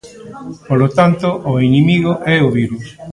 Polo tanto, o inimigo é o virus.